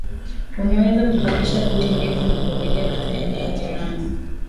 Unaweza kukodisha boti ndefu na kuogelea katika eneo jirani